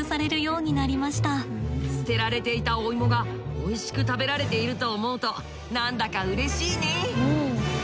捨てられていたお芋がおいしく食べられていると思うと何だかうれしいね。